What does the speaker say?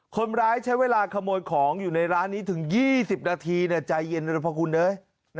คนร้ายใช้เวลาขโมยของอยู่ในร้านนี้ถึง๒๐นาทีใจเย็นเลยพอคุณเอ้ย